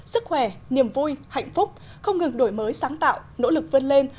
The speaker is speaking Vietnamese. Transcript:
sức khỏe niềm vui hạnh phúc không ngừng đổi mới sáng tạo nỗ lực vươn lên